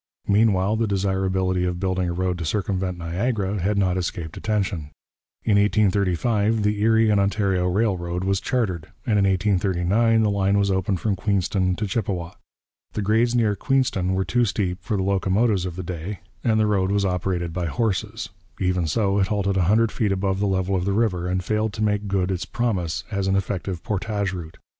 Meanwhile, the desirability of building a road to circumvent Niagara had not escaped attention. In 1835 the Erie and Ontario Railroad was chartered, and in 1839 the line was opened from Queenston to Chippawa. The grades near Queenston were too steep for the locomotives of the day, and the road was operated by horses; even so, it halted a hundred feet above the level of the river, and failed to make good its promise as an effective portage route.